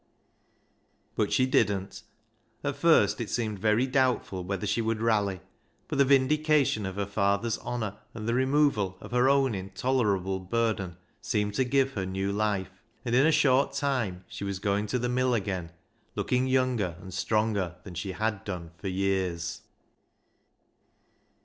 But she didn't. \\. first it seemed very doubt ful whether she would rally, but the vindication of her father's honour, and the removal of her own intolerable burden, seemed to give her new life, and in a short time she was going to the mill again, looking younger and stronger than she had done for years.